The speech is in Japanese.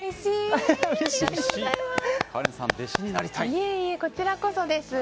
いえいえ、こちらこそです。